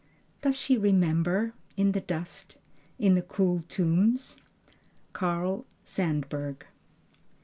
does she remember in the dust in the cool tombs?" Carl Sandburg.